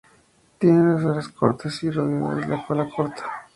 Tienen las alas cortas y redondeadas y la cola corta.